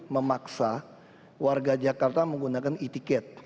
memaksa warga jakarta menggunakan e ticket